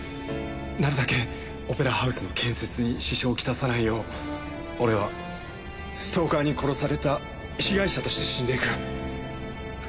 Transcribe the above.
なるだけオペラハウスの建設に支障をきたさないよう俺はストーカーに殺された被害者として死んでいくよ。